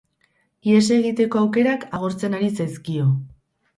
Ihes egiteko aukerak agortzen ari zaizkio.